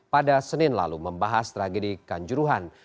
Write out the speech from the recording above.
pada senin lalu membahas tragedi kanjuruhan